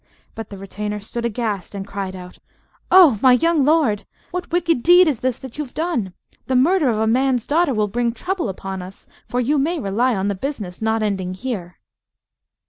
But the retainer stood aghast, and cried out "Oh! my young lord, what wicked deed is this that you've done? The murder of a man's daughter will bring trouble upon us, for you may rely on the business not ending here."